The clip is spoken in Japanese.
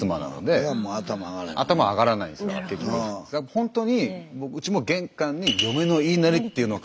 ほんとにうちも玄関に「嫁のいいなり」っていうのを。